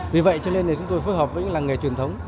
vì vậy cho nên chúng tôi phối hợp với những làng nghề truyền thống